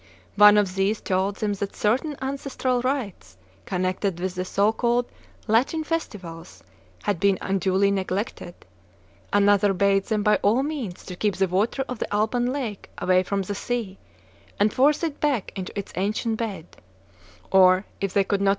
One of these told them that certain ancestral rites connected; with the so called Latin festivals had been unduly neglected ; another bade them by all means to keep the water of the Alban lake away from the sea and force it back into its ancient bed, or, if they could not.